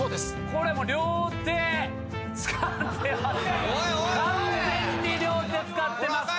これもう両手使ってます。